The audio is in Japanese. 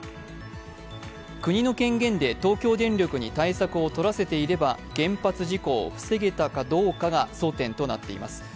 国の権限で東京電力に対策をとらせていれば原発事故を防げたかどうかが争点となっています。